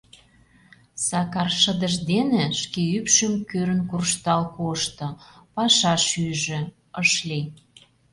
Сакар шыдыж дене шке ӱпшым кӱрын куржтал кошто, пашаш ӱжӧ — ыш лий.